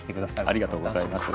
ありがとうございます。